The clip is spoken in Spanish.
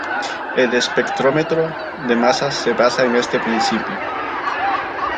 El espectrómetro de masas se basa en este principio.